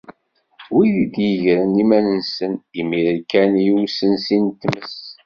Wid i d-yegren iman-nsen imir kan i usensi n tmes.